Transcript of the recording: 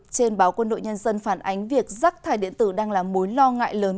trên báo quân đội nhân dân phản ánh việc rác thải điện tử đang là mối lo ngại lớn